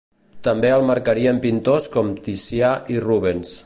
També el marcarien pintors com Ticià i Rubens.